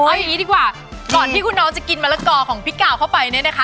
เอาอย่างนี้ดีกว่าก่อนที่คุณน้องจะกินมะละกอของพี่กาวเข้าไปเนี่ยนะคะ